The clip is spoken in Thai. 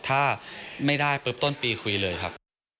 ถ้าไม่ได้ปุ๊บต้นปีคุยเลยครับ